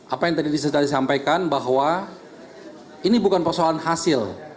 apa yang tadi sudah disampaikan bahwa ini bukan persoalan hasil